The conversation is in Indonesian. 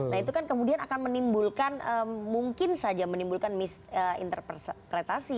nah itu kan kemudian akan menimbulkan mungkin saja menimbulkan misinterpretasi